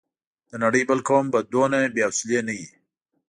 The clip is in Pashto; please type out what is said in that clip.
د نړۍ بل قوم به دومره بې حوصلې نه وي.